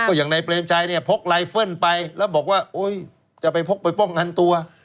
อย่างนายเปรมชัยเนี่ยพกไลเฟิลไปแล้วบอกว่าโอ๊ยจะไปพกไปป้องกันตัว